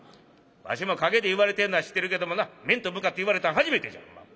わしも陰で言われてんのは知ってるけどもな面と向かって言われたんは初めてじゃほんま。